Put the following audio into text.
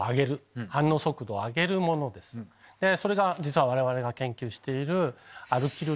それが実は我々が研究している。